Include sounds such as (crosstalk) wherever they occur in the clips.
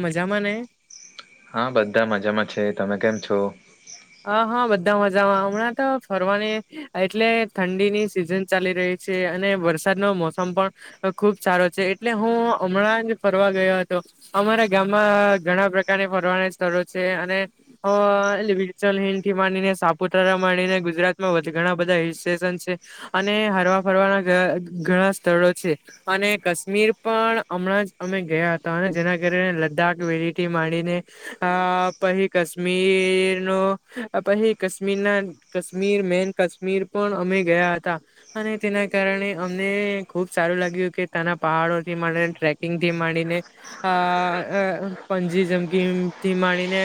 મજામાં ને? હા બધા મજામાં છે તમે કેમ છો? અહ હા બધા મજામાં અમણાં તો ફરવાની એટલે ઠંડી ની સિઝન ચાલી રહી છે અને વરસાદ નો મોસમ પણ ખુબ સારો છે એટલે હું હમણાં જ ફરવા ગયો હતો અમારા ગામમાં ઘણા પ્રકારની ફરવાના સ્થળ છે અને અહ (unintelligible) (unintelligible) થી માંડીને સાપુતારા માંડીને ગુજરાતમાં વધ ઘણા બધા હિલ સ્ટેશન છે અને હરવા હારવા ફરવાના ઘ ઘણા સ્થળો છે અને કાશ્મીર પણ અમણાં જ અમે ગયા હતા જેના કારણે લંદાક (unintelligible) માંડીને અહ પહી કાશ્મીર નો અપ હે કાશ્મીરના કાશ્મીર મેન કાશ્મીર પણ અમે ગયા હતા. અને તેના કારણે અમને ખુબ સારું લાગ્યું કે ત્યાના પહાડો થી માંને ટ્રેકિંગ થી માંડીને અહ પંજી જમ્પિંગથી માણીને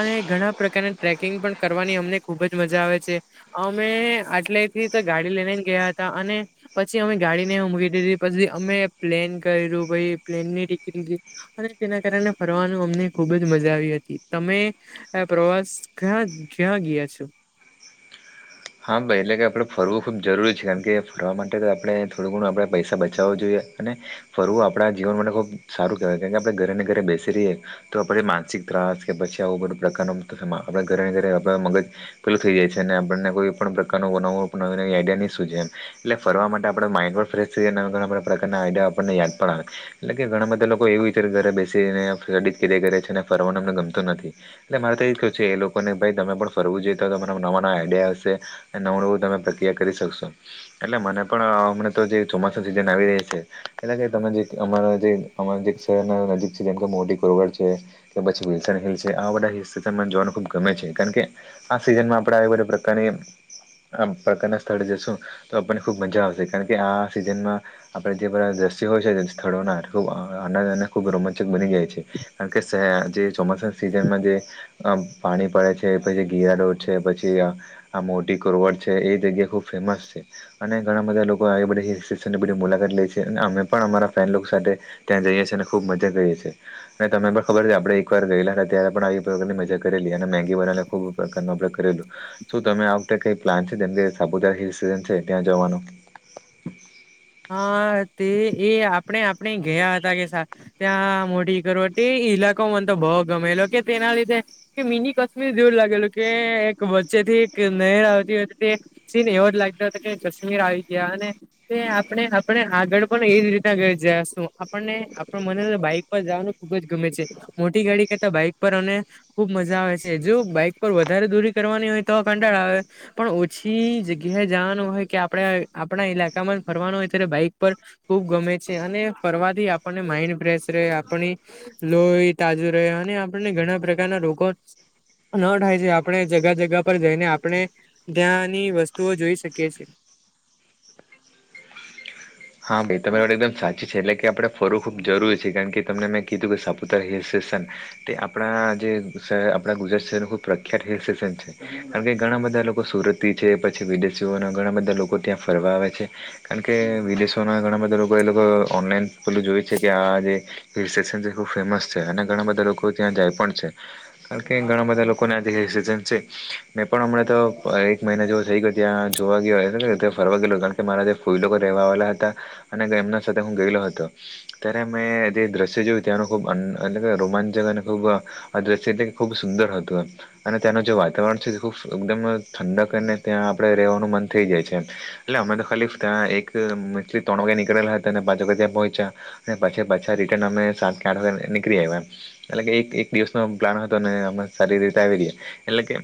અને ઘણા પ્રકારને ટ્રેકિંગ પણ કરવાની અમને ખુબ જ મજા આવે છે, અમે આટલે થી તો ગાડી લઈને ગયા, હતા. અને પછી, અમે ગાડી ને મુકી દીધી પછી અમે પ્લેન કર્યું પ પ્લેન ની ટિકિટ અને તેના કારણે ફરવાનુ, અમને ખુબ જ મજા આવી હતી તમે પ્રવાસ ક્યાં ક્યાં ગયા છો. હા, ભાઈ એટલે કે આપડે ફરવું ખુબ જરૂરી છે કેમ કે ફરવા માટે તો આપણે થોડું ઘણું આપણેે પૈસા બચાવા જોઈએ અને ફરવુ, આપણા જીવન માટે ખૂબ સારું કેહેવાય કેમકે આપણે ઘરે ને ઘરે બેસી રહીએ તો આપણે માનસિક ત્રાસ કે પછી, આવો બધો પ્રકારનો માથાકૂટ માં આપણે ઘરે ઘરે આપ મગજ પેલું થઈ જાય છે, અને આપણને કોઈ પણ પ્રકારનું ઓવું નવી નવી આઈડિયા નહી સુ છે, એમ એટલે ફરવા માટે આપણે માઇન્ડ પણ ફ્રેશ થઈ જાય ને ઘણા પ્રકારના એટલે, આપણને યાદ પણ આવે એટલે કે ઘણા બધા લોકો એવું વિચારી ને ઘરે બેસી રહી ને હેડક કર્યાં કરે છેને, ફરવાના ને ગમતું નથી, એટલે મારે તો એું છે, એ લોકોને ભાઈ તમે પણ ફરવું જોઈએ તો તો તમારા નવા નવા આઈડિયા આવશે નવુ એવુ તમે પ્રક્રિયા કરી શકશો એટલે મને પણ હમને, તો જે ચોમાસ સિઝન આવી રહિ છે. એટલે કે તમે જે અમારા જે અમારા જે શહેરના નજીક છે જેમ કે મોટી કોરવડ છે કે પછી (unintelligible) છે આવા બધા હિલ્સ્ટેશન મને જોવાનું ખુબ ગમે છે કારણ કે આ સિઝનમાં આપડા એવા બધા પ્રકારની (unintelligible) આ પ્રકારના સ્થળે જશું તો આપણને ખૂબ મજા આવશે કારણ કે આ સિઝનમાં આપણે જે બઘા દ્રશ્યો (unintelligible) સ્થળોના ખૂબ આનંદ અને ખૂબ રોમાંચક બની જાય છે કારણ કે સે જે ચોમાસા સી જેમાં જે અમ પાણી પડે છે પછી ઘેયારો છે પછી આ આમો ટીકોરવર્ડ છે, એ જગ્યા ખુબ ફેમસ છે, અને ઘણા બધા લોકો આ બધ હિલ સ્ટેશન ની બધી મુલાકાત લે છે. અને અમે પણ અમારા ફેનલુક સાથે ત્યાં જઈએ છીએ, અને ખૂબ મજા કરીએ છીએ અને તને પણ ખબર છે. આપણે એકવાર ગયલા હતા, ત્યારે પણ આવી પ્રકારની મજા કરેલી અને મેગી બનાને ખુબ પ્રકારનું આપડે ઉપયોગ કરેલો શું તમે આવુ કઈ પ્લાન છે, જેમ કે સાપુતારા હિલ સ્ટેશન છે. ત્યાં જવાનુ હા, તે એ આપણે આપણે ગયા હતા કે સા ત્યાં મોડી કરોટી એ ઇલાકો મને તો ભઉ ગમેલો કે તેના લીધે, કે મિની કાશ્મીર જેવુ લેલુ, કે એક વચ્ચે થી એક નહેર આવતી હતી, તે સીન એવ જ લાગતા તા કે કાશ્મીર આવી ગયા અને તે આપણે આપણે, આગળ પણ એજ રીતના ઘ જશુ આપણને આપડ મને હેને બાઈક પર જવાનુ ખુબ જ ગમે છે. મોટી ગાડી કરતા બાઈક પર અને ખુબ મજા આવે છે, જો બાઈક પર વધારે દૂરી કરવાની હોય, તો ળ આવે પણ ઓછી જગ્યા, એ જવાનુ હોય, કે આપણે આપણા ઈલાકામા ફરવાનો, અત્યારે બાઈક પર ખુબ ગમે છે. અને ફરવાથી આપણને માઇન્ડ ફ્રેશ રહે આપણી લોહી તાજુ રહે, અને આપણને ઘણા પ્રકારના રોગો ન થાય છે, આપણે જગા જગા પર જઈને આપણે ત્યાંની વસ્તુઓ જોઈ શકીએ છે. (unintelligible) હા, ભઈ તમારી વાત એકદમ સાચી છે. એટલે કે આપણે ફરવું ખુબ જરૂરી છે, કારણ કે તમને મેં કીધું કે સાપુતાર હિલ્સ તે આપણા જે શહેર, આપણા ગુજરાત શહેર નું પ્રખ્યાત હિલ્સ્ટેશન છે. બધા લોકો સુરત છે, પછી વિદેશીઓ ઘણા બધા લોકો ત્યાં ફરવા આવે છે, કારણ કે વિદેશો મા ઘણા બધા એ લોકો ઓનલાઈન પેલુ જોય છે, કે આ જે હિલસ્ટેશન કેટલું ફેમસ છે. ઘણા બધા લોકો ત્યા જાય પણ છે, કારણ કે ઘણા બધા લોકો ને જે હિલસ્ટેશન છે, મે પણ હમણા તો એક મહિના જેવું થઈ ગયો, ત્યાં જોવા ગયો ફરવા ગયું કારણ કે મારા જે ફોઈ લોકો રહેવા આવેલા હતા અને એમના સાથે હુ, ગયેલો હતો, ત્યારે મેં જે દ્રશ્ય જોયું ત્યાં લોકો ખૂબ દ્રશ્ય એ ખૂબ સુંદર હતુ, એમ અને તેનું જે વાતાવરણ છે, એ ખૂબ એકદમ ઠંડકને ત્યાં આપણે રેવાનું મન થઈ જાય છે, એટલે અમે તો ખાલી એક ત્યાં મંથલી ત્રણ વાગે નીકળેલા હતા, અને પાંચ વાગે ત્યાં પહોંચ્યા અને પછી, પાછા રિટર્ન અમે સાતથી આઠ વાગ્યાે નીકળી આવ્યા એમ એટલે કે એક એક દિવસ નો પ્લાન હતો, ને અમે સારી રીતે આવી ગયા એટલે કે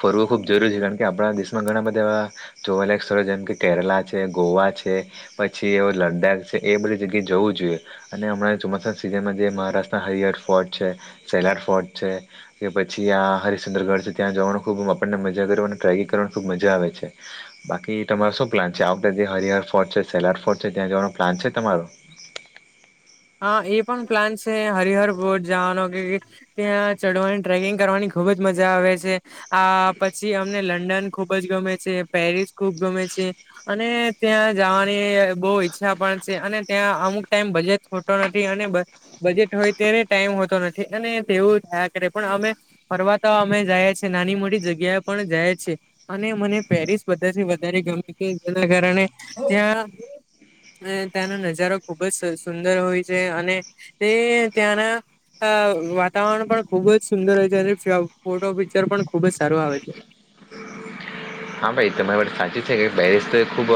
ફરવુ ખુબ જરૂરી છે, કારણ કે આપણા દેશમાં ઘણા બધા એવા જોવાલાયક સ્થળો જેમ કે કેરાલા છે, ગોવા છે પછી એ લદ્દાખ છે, એ બધી જગ્યાએ જવું જોઈએ અને હમણાં ચોમાસાના સીઝનમા જે મહારાષ્ટ્રના હરિહર ફોર્ટ છે, સેલાર ફોર્ટ છે, કે પછી આ હરીશચન્દ્રગઢ છે, ત્યાં જવાનું ખુબ આપન ને ટ્રેકિંગ કરવાની ખુબ મજા આવે છે, બાકી તમારો શું પ્લાન છે, આ વખતે જે હરિહર ફોર્ટ છે. સોલાર ફોર્ટ છે, ત્યાં જવાનો પ્લાન છે, તમારો હા, એ પણ પ્લાન છે. હરિહર બોટ જવાનો ત્યાં ચડવાની ટ્રેકિંગ કરવાની ખુબ જ મજા આવે છે, આ પછી અમને લ લંડન ખુબ જ ગમે છે પેરિસ ખુબ ગમે છે અને ત્યાં જવાની બહુ ઈછ પણ છે અને ત્યાં અમુક ટાઈમ બજેટ પણ હોતો નથી બજેટ હોય ત્યારે ટાઈમ હોતો નથી અને તેવું થયા કરે પણ અમે ફરવા અમે જાય છીએ નાની મોટી જગ્યા પણ જાય છીએ અને મને પેરિસ બધાથી વધારે ગમે જેના કારણે ત્યાં ત્યાંનો નજારો ખુબ જ સુંદર હોય જે અને તે ત્યાંના અ વાતાવરણ પણ ખુબ જ સુંદર હોય છે અને ફોટો પિક્ચર પણ ખુબ જ સારું આવે છે. (inaudible) હા ભાઈ તમારી માટે સાચી છે કે પેરેસ તો ખૂબ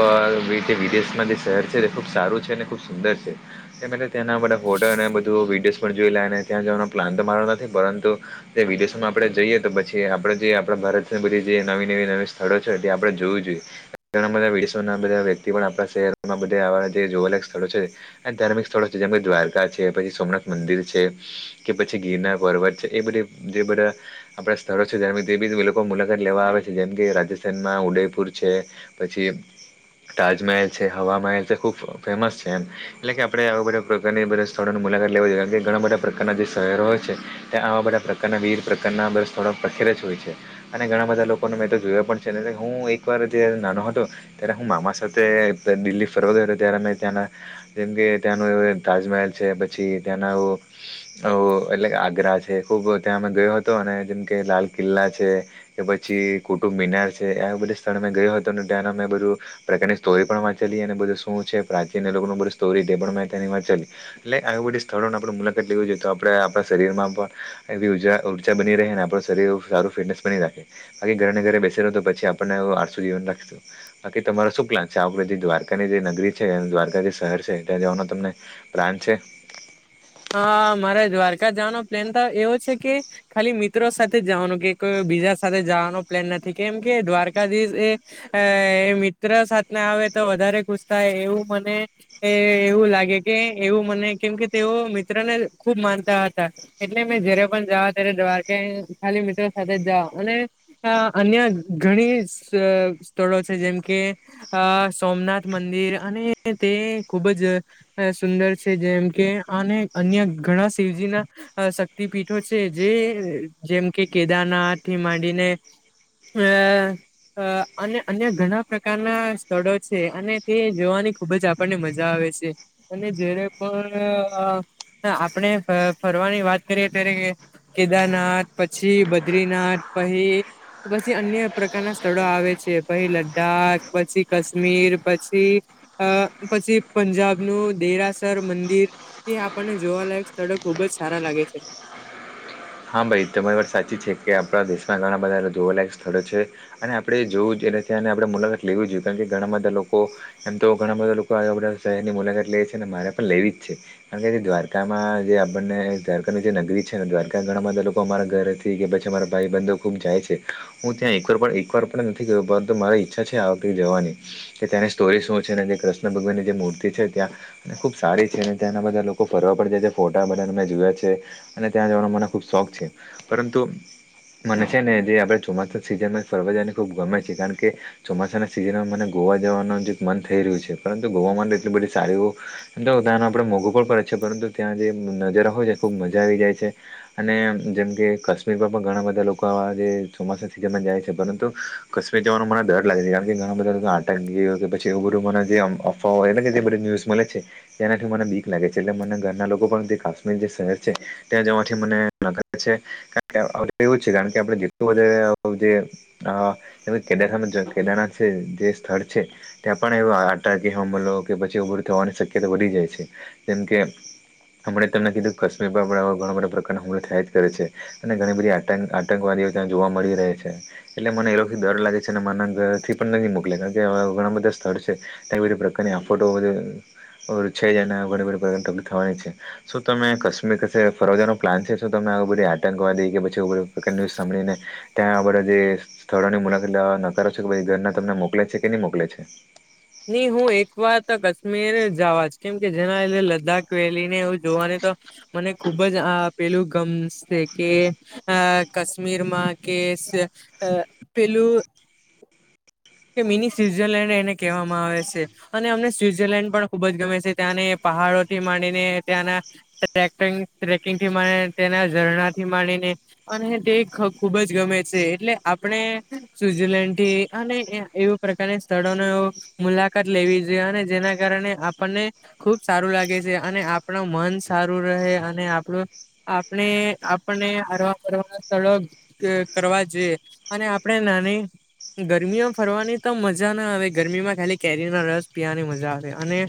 વિદેશમાં જે શહેર છે તે ખુબ સારું છે ખૂબ સુંદર છે તેના બધા ફોટો અને બધું વિડીયો જોઈ લને ત્યા જવાનો પ્લાન તો મારો નથી પરંતુ જે વિદેશોમાં આપડે જઈએ, તો પછી આપડે જે આપડા ભારત ને બધી જે નવી નવી નવી સ્થળો છે, આપે જોવું જોઈએ ઘણા બધા વિદેશના બધા વ્યક્તિ પણ આપણા શહેરમાં બહુ જોવા સ્થળો છે, ધાર્મિક સ્થળો છે, જેમ કે દ્વારકા છે, પછી સોમનાથ મંદિર છે, કે પછી ગીરનાર પર્વત છે, એ બધા જે બધા આપણા સ્થળો છે, જે બી લોકો મુલાકાત લેવા આવે છે જેમ કે વેશનમાં ઉદેયપુર છે પછી તાજમહેલ છે હવા મહેલ છે ખુબ ફેમસ છે એમ એટલે કે આપડે આ બધા પ્રકારની બધા સ્થળ મુલાકાત લેવા જોઈએ કારણ કે ઘણા બધા પ્રકારના જે શહેરો હોય છે ત્યાંવા બધા પ્રકારના વીર પ્રકારનાં થોડાક પ્રખ્યાત અને ઘણા બધા લોકો મે તો જોયા પણ છે. છેને હું એકવાર જ્યારે નાનો હતો ત્યારે હું મામા સાથે દિલ્હી ફરવા ગયો હતો ત્યારે મે ત્યાંના જેમ કે ત્યાંનું એ તાજમહેલ છે પછી ત્યાં ઓ ઓ એટલે ખુબ ત્યાં અમે ગયો હતો અને જેમ કે લાલ કિલ્લા છે કે પછી કુટુબ મિનાર છે આ બધા સ્થળ મેં ગયો હતો અને ત્યાં મેં બધું પ્રકારની સ્ટોરી પણ વાંચેલી અને બધું શું છે પ્રાચીન એ લોકોની સ્ટોરી છે એટલે આવી બધી સ્થળોની આપ મુલાકાત લેવી જોઈ તો આપે આપણા શરીર માં ઉર્જા બની રહે આપ શરીર સારું ફિટનેસ બની રાખે બાકી ઘરેને ઘરે બેસી રહો આપનેસું જીવન રાખશ બાકી તમારો શું પ્લાન છે જે દ્વારકાની જે નગરી છે દ્વારકા શહેર છે ત્યાં જવાનો તમને પ્લાન છે. (inaudible) હા મારે દ્વારકા જવાનો પ્લેન તો એવો છે કે ખાલી મિત્રો સાથે જવાનું કે કોઈ બીજા સાથે જવાનો પ્લેન નથી કેમ કે દ્વારકાધીશ એ મિત્ર સાથે આવે તો વધારે ખુશ થાય એવું મને એવું લાગે કે એવું મને કેમ કે તેઓ મિત્ર ને ખુબ માનતા હતા એટલે મેં જયારે પણ જાવા ત્યારે દ્વારકા ખાલી મિત્રો સાથે જ અને અન્ય ઘણી સ્થળો છે જેમ કે અ સોમનાથ મંદિર અને તે ખુબ જ સુંદર છે જેમ કે અને અન્ય ઘણા શિવજી ના શક્તિ પીઠો છે જે જેમ કે કેદાર નાથી માંડીને આ અ અને અન્ય ઘણા પ્રકારના સ્થળો છે અને તે જોવાની ખુબ જ આપણને મજા આવે. અને જ્યારે પણ આ હા આપણે ફરવાની વાત કરીએ ત્યારે કેદારનાથ પછી બદ્રીનાથ પછી પછી અન્ય પ્રકારના સ્થળો આવે છે પછી લદ્દાખ પછી કાશ્મીર પછી અ પછી પંજાબનું દેરાસર મંદિર તે આપણને જોવાલાયક સ્થળો ખુબ જ સારા લાગે છે. હા ભાઈ તમારી વાત સાચી છે કે આપણા દેશમાં ઘણા બધા જોવાલાયક સ્થળો છે અને આપણેે જોવું જોઈએ. એલે છે અને આપણે મુલાકાત લેવી જ જોઈએ કારણ કે ઘણા બધા લોકો એમ તો ઘણા બધા લોકો આપણા શહેરની મુલાકાત લે મારે પણ લેવી જ છે કારણ કે દ્વારકામાં જે આપને દ્વારકાની જે નગરી છે દ્વારકા ત્યાં ઘણા બધા લોકો અમારા ઘરેથી કે પછી અમારા ભાઈ બંધ ખુબ જાય છે હું ત્યાં એકવાર એકવાર પણ નથી ગયો. પરંત મારી ઈચ્છા છે. આ વખતે જવાની કે ત્યાંની સ્ટોરી શું છે અનેને જે કૃષ્ણ ભગવાનની જે મૂર્તિ છે ત્યાં અને ખુબ સારી છે અને ત્યાંના બધા લોકો ફરવા પડ જાય ફોટા બના મેં જોયા છે અને ત્યાં જવાનું મને ખુબ શોખ છે. પરંતુ મને છે ને જે આપડે ચોમાસા સીઝન ફરવા જવાને ખુબ ગમે છે. કારણ કે ચોમાસાના સીઝનમાં મને ગોવા જવાનું જે મન થઈ રહ્યું છે. પરંતુ ગોવા માટે, એટલી બધી સાડીઓ એમ બધા આપણે મોઘું પણ પડે છે. પરંતુ ત્યાં જે નજાર હોય છે. ખુબ મજા આવી જાય છે. અને જેમ કે, કાશ્મીરમાં પણ ઘણા બધા લોકો આવા જે ચોમાસા સઝનમાં જાય છે. પરંતુ કાશ્મીર કેવાનો મને ડર લાગે છે યાર. કારણ કે, ઘણા બધા લોકો આટક ગ કે પી એવું બધું મને જે અફવાઓય એટલે કે જે બધી ન્યૂઝમાં મળે છે. તેનાથી મને બીક લાગે છે. એટલે, મને ઘરના લોકો પણ જે કાશ્મીર જે શહેર છે ત્યાં જવાથી મને વે એવું છે. કારણ કે આપણે જેટલું વધારે જે કેદારના કેદારનાથ છે. જે સ્થળ છે, ત્યાં પણ એવું આતંઞી હુમલો કે પછી ઉભું થવાનું શકયતા વધી જાય છે. જેમ કેમ હમણે જ તને કીધું કાશ્મીર બાપડા ઘણા બધા પ્ર એવું બધુ થાય જ કરે છે અને ઘણી બધી આતંકવાદીઓ ત્યા જોવા મળી રહે છે. એટલે મને એ ડર લાગે છે અને મને મારા ઘરથી પણ નહી મોકલે. કારણ કે, ઘણા બધા સ્થળ છે તે બધી પ્રકારની આ ફોટો છે જને ઘણી બધી પ્રકારની તકલીફ થવાની છે. શું તમે? કાશ્મીર ફરવા જવાનું પ્લાન છે તો તમે આ બધી આતંકવાદી કે પછી ન્યુઝ સાભળીને ત્યાં બધા જે સ્થળોની મુલાકાતવા નકારો છો કે ભાઈ ઘરના તમને મોકલે છે કે નહી મોકલે છે. નઈ હું એક વાર તો કાશ્મીર જવા જ. કેમ કે, જેના લીધે લદ્દાખ વેલી ને હું જોવાની મને ખુબ જ પેલું ગમશે કે કાશ્મીરમાં કે પેલું કે મિની સ્વઝરલેન્ડ એને કહેવામાં આવે છે. અને અમને સ્વઝરલેન્ડ પણ ખુબ જ ગમે છે. ત્યા ને પહાડોથી માંડીને, ત્યાંના ટ્રેકિંગથી માડીને, ત્યાના ઝરણાથી માંડીને અને તે ખુબ જ ગમે છે. એટલે, આપણે સ્વઝરલેન્ડ થી અને એવું પ્રકારની સ્થળોને મુલાકાત લેવી જોઈએ અને જેના કારણે આપણને ખુબ સારું લાગે છે. અને આપણા મન સારું રહે અને આપણું આપણે આપને હરવા ફરવા સ્થળો કરવા જોઈએ. અને આપણે ગરમીઓ ફરવાની તો મજા ના આવે ગરમીમાં ખાલી કેરીનો રસ પીવાની મજા આવે અને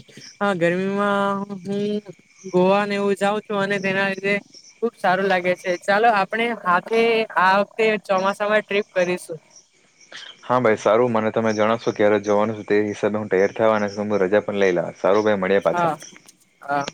ગરમીમાં હું, ગોવાને એવું જાઉં છું. અને તેના લીધે ખુબ સારું લાગે છે ચાલો. આપણે હાથે આ વખતે ચોમાસામાં ટ્રીપ કરીશું. હા, ભાઈ સારું મને તમે જણશો ક્યારે જવાનું છે તે હિસાબે હું તૈયાર થવા અને રજા પણ લઈ લાવ. સારું ભાઈ, મળ્યા હા પાછા. હા